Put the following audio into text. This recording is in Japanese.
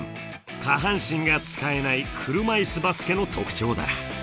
下半身が使えない車いすバスケの特徴だ。